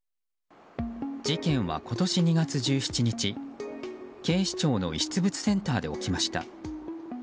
事件は今年２月１７日警視庁の遺失物センターで起きました。